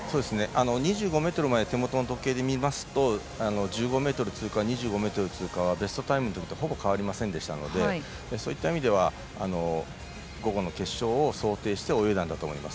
２５ｍまで手元の時計で見ますと１５ｍ通過、２５ｍ通過はベストタイムのときとほぼ変わりませんでしたのでそういった意味では午後の決勝を想定して泳いだんだと思います。